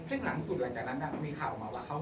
ซึ่งหลังสุดหลังจากนั้นก็มีข่าวออกมาว่า